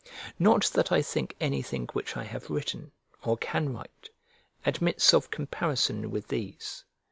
Not that I think anything which I have written, or can write, admits of comparison with these.